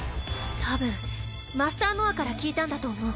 多分マスター・ノアから聞いたんだと思う。